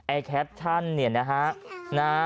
แอร์แคปชั่นนะครับ